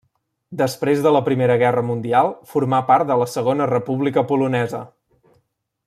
Després de la Primera Guerra Mundial formà part de la Segona República Polonesa.